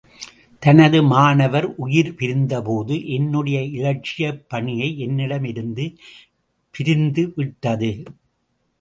◯ தனது மாணவர் உயிர் பிரிந்தபோது, என்னுடைய இலட்சியப் பணியை என்னிடம் இருந்து பிரிந்து விட்டது.